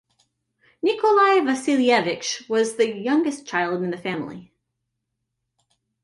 Nikolai Vasilievich was the youngest child in the family.